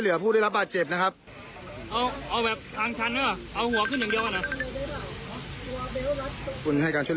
เฮ้ยจับ๒๐๐๐กัน